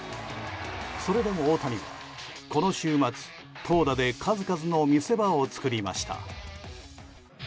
それでも大谷は、この週末投打で数々の見せ場を作りました。